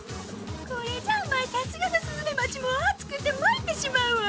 これじゃあまあさすがのスズメバチもあつくてまいってしまうわ。